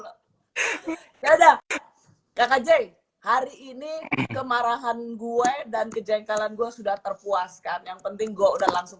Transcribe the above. kakak j hari ini kemarahan gue dan kejengkalan gue sudah terpuaskan yang penting gua udah langsung